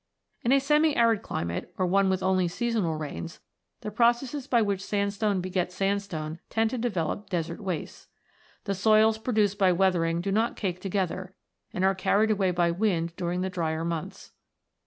In a semi arid climate, or one with only seasonal rains, the processes by which sandstone begets sand stone tend to develop desert wastes. The soils produced by weathering do not cake together, and are carried away by wind during the drier months.